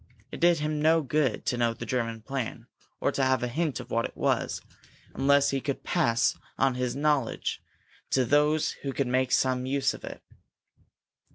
It did him no good to know the German plan, or to have a hint of what it was, unless he could pass on his knowledge to those who could make some use of it.